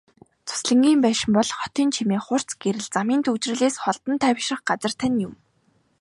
Зуслангийн байшин бол хотын чимээ, хурц гэрэл, замын түгжрэлээс холдон тайвшрах газар тань юм.